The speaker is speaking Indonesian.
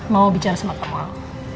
mau bicara sama kamu